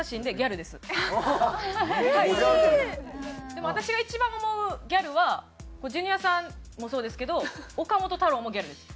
でも私が一番思うギャルはジュニアさんもそうですけど岡本太郎もギャルです。